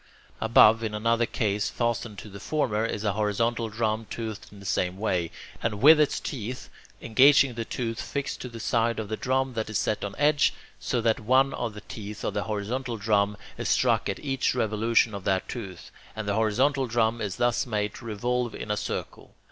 Above, in another case fastened to the former, is a horizontal drum toothed in the same way, and with its teeth engaging the tooth fixed to the side of the drum that is set on edge, so that one of the teeth of the horizontal drum is struck at each revolution of that tooth, and the horizontal drum is thus made to revolve in a circle.